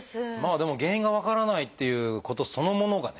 でも原因が分からないっていうことそのものがね